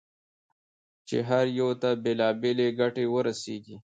چې هر یوه ته بېلابېلې ګټې ورسېږي.